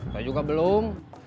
saya juga belum